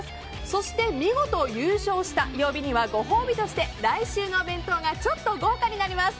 そして見事優勝した曜日にはご褒美として来週のお弁当がちょっと豪華になります。